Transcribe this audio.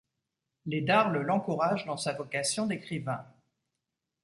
Les Darle l’encouragent dans sa vocation d'écrivain.